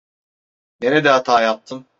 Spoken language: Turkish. Nerede hata yaptım?